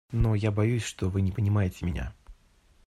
Но я боюсь, что вы не понимаете меня.